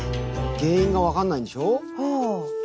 原因が分かんないんでしょ？ああ。